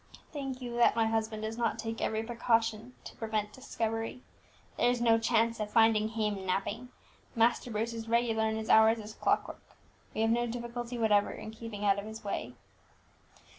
"Think you that my husband does not take every precaution to prevent discovery? There is no chance of finding him napping. Master Bruce is regular in his hours as clock work; we have no difficulty whatever in keeping out of his way."